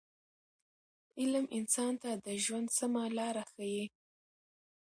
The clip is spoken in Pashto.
علم انسان ته د ژوند سمه لاره ښیي.